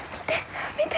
見て！